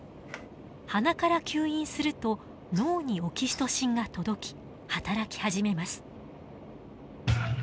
鼻から吸引すると脳にオキシトシンが届き働き始めます。